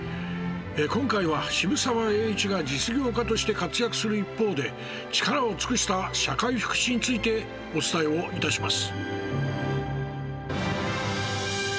今回は、渋沢栄一が実業家として活躍する一方で力を尽くした社会福祉についてお伝えをいたします。